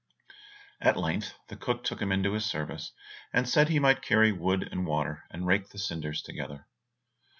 At length the cook took him into his service, and said he might carry wood and water, and rake the cinders together.